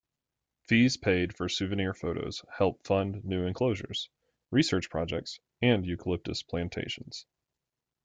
Fees paid for souvenir photos help fund new enclosures, research projects and eucalyptus plantations.